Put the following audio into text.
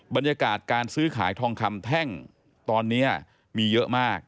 บรรยากาศการซื้อขายทองคำแท่งตอนนี้มีเยอะมาก